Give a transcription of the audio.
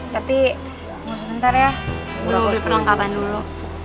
tapi tunggu sebentar ya gue beli perlengkapan dulu